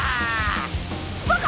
バカ！